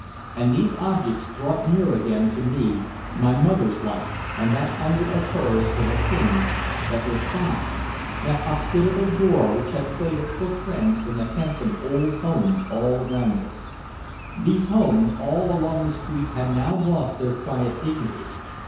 And these objects brought near again to me my mother's life and that hunger of hers for the things that were "fine," that hospitable door which had waited for friends from the handsome old homes all around us. These homes all along the street had now lost their quiet dignity.